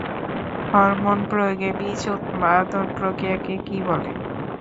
Hormone প্রয়োগে বীজ উৎপাদন প্রক্রিয়াকে কী বলে?